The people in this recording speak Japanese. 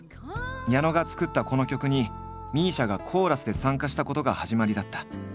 矢野が作ったこの曲にＭＩＳＩＡがコーラスで参加したことが始まりだった。